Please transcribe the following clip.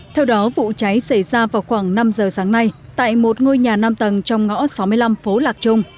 theo đó vụ cháy xảy ra vào khoảng năm giờ sáng nay tại một ngôi nhà năm tầng trong ngõ sáu mươi năm phố lạc trung